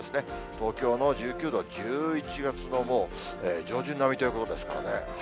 東京の１９度は、１１月のもう、上旬並みということですからね。